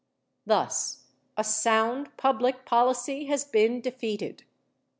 Thus a sound public policy has been defeated.